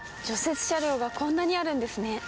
雪車両がこんなにあるんですね。